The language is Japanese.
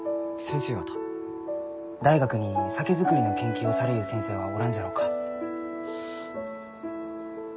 大学に酒造りの研究をされゆう先生はおらんじゃろうか？